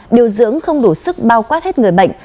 điều dưỡng không đủ sức bao quát hết người bệnh